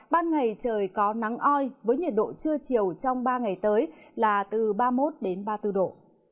ban ngày trời có nắng oi với nhiệt độ trưa chiều trong ba ngày tới là từ ba mươi một ba mươi bốn độ